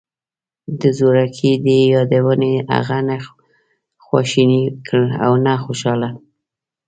د زوکړې دې یادونې هغه نه خواشینی کړ او نه خوشاله.